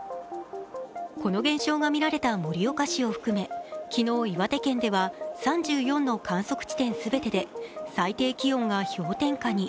この現象が見られた盛岡市を含め昨日、岩手県では３４の観測地点全てで最低気温が氷点下に。